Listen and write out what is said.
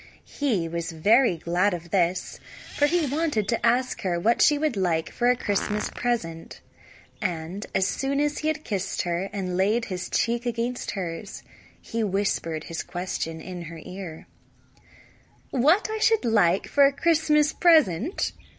He was very glad of this for he wanted to ask her what she would like for a Christmas present; and as soon as he had kissed her, and laid his cheek against hers, he whispered his question in her ear. "What should I like for a Christmas present?"